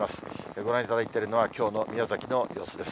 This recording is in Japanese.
ご覧いただいているのは、きょうの宮崎の様子です。